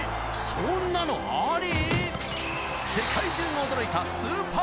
そんなのあり？